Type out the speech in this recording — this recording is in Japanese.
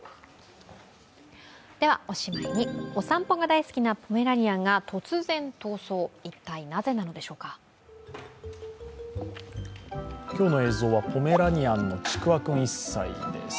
おしまいに、お散歩が大好きなポメラニアンが突然逃走、一体なぜなのでしょうか今日の映像はポメラニアンのちくわ君１歳です。